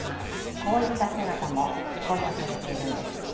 こういった姿も公表されているんです。